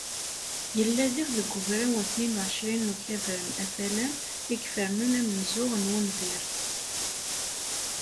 Yella, diɣ, deg ugraw n tnin u εecrin n ukabar n Afalan i ifernen amenzu n wunbir.